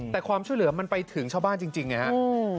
แต่ความช่วยเหลือมันไปถึงชาวบ้านจริงไงครับ